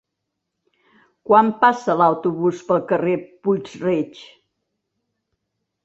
Quan passa l'autobús pel carrer Puig-reig?